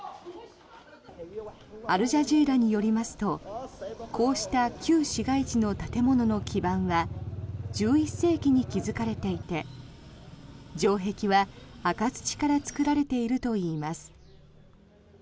アルジャジーラによりますとこうした旧市街地の建物の基盤は１１世紀に築かれていて城壁は赤土から作られているといいます。